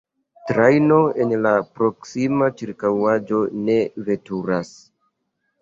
Trajno en la proksima ĉirkaŭaĵo ne veturas.